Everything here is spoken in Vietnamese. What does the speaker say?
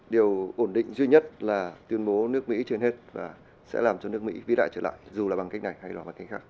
điều ổn định duy nhất là tuyên bố nước mỹ trên hết và sẽ làm cho nước mỹ lại trở lại dù là bằng cách này hay là bằng cách khác